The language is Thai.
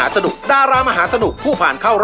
สวัสดีค่ะ